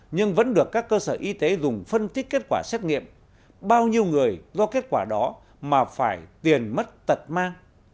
nhưng vẫn được các cơ sở y tế dùng phân tích kết quả xét nghiệm bao nhiêu người do kết quả đó mà phải tiền mất tật mang